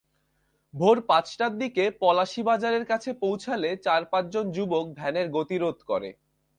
ভোর পাঁচটার দিকে পলাশী বাজারের কাছে পৌঁছালে চার-পাঁচজন যুবক ভ্যানের গতিরোধ করে।